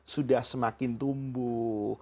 sudah semakin tumbuh